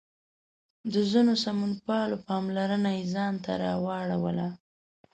د ځینو سمونپالو پاملرنه یې ځان ته راواړوله.